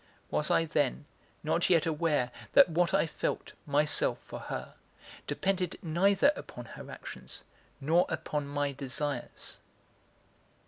Was I, then, not yet aware that what I felt, myself, for her, depended neither upon her actions nor upon my desires?